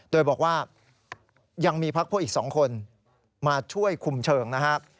โดยบอกว่ายังมีพักพวกอีก๒คนมาช่วยคุมเชิงนะครับ